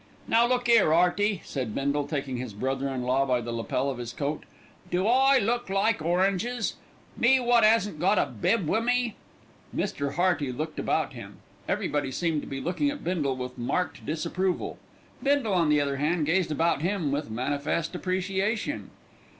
"Now look 'ere, 'Earty," said Bindle, taking his brother in law by the lapel of his coat, "do I look like oranges? Me wot 'asn't got a bib wi' me." Mr. Hearty looked about him. Everybody seemed to be looking at Bindle with marked disapproval. Bindle, on the other hand, gazed about him with manifest appreciation.